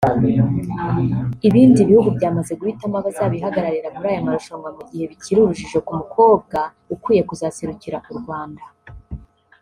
Ibindi bihugu byamaze guhitamo abazabihagararira muri aya marushanwa mu gihe bikiri urujijo ku mukobwa ukwiye kuzaserukira u Rwanda